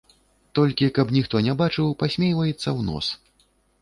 Толькі, каб ніхто не бачыў, пасмейваецца ў нос.